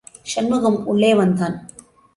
சண்முகம் உள்ளே வந்தான்.